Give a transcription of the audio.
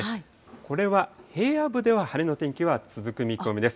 これは平野部では晴れの天気は続く見込みです。